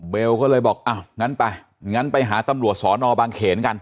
ก็เลยบอกอ้าวงั้นไปงั้นไปหาตำรวจสอนอบางเขนกัน